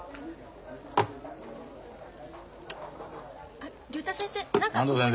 あっ竜太先生何かここに。